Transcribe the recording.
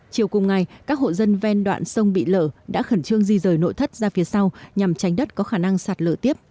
chiều cùng ngày các hộ dân ven đoạn sông bị lở đã khẩn trương di rời nội thất ra phía sau nhằm tránh đất có khả năng sạt lở tiếp